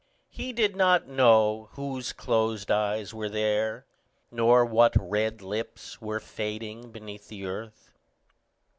He did not know whose closed eyes were there, nor what red lips were fading beneath the earth.